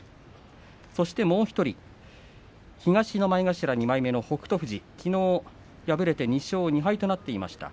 そして、もう１人東の前頭２枚目の北勝富士きのう敗れて２勝２敗となっていました。